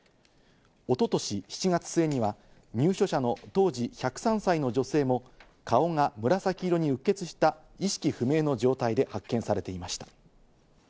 一昨年、７月末には入所者の当時１０３歳の女性も顔が紫色にうっ血した意識不明の状態で発見されていました。